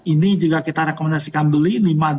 ini jika kita rekomendasikan beli